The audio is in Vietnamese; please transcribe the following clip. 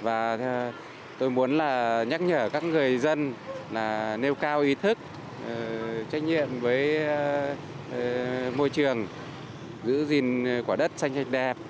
và tôi muốn là nhắc nhở các người dân là nêu cao ý thức trách nhiệm với môi trường giữ gìn quả đất xanh sạch đẹp